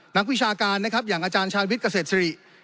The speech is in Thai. วิชาการนะครับอย่างอาจารย์ชาญวิทย์เกษตรสิริ